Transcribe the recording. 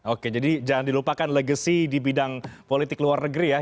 oke jadi jangan dilupakan legacy di bidang politik luar negeri ya